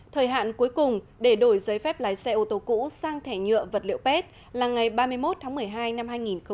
thời hạn cuối cùng để đổi giấy phép lái xe ô tô cũ sang thẻ nhựa vật liệu pet là ngày ba mươi một tháng một mươi hai năm hai nghìn hai mươi